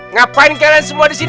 ngapain kalian semua disini